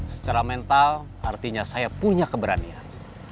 secara mental artinya saya punya keberanian